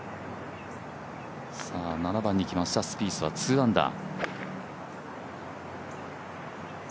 ７番に来ました、スピースは２アンダー。